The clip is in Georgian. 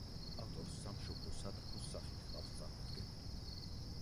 ავტორს სამშობლო სატრფოს სახით ჰყავს წარმოდგენილი.